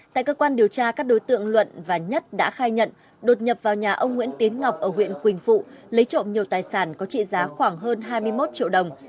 tại cơ quan điều tra các đối tượng luận và nhất đã khai nhận đột nhập vào nhà ông nguyễn tiến ngọc ở huyện quỳnh phụ lấy trộm nhiều tài sản có trị giá khoảng hơn hai mươi một triệu đồng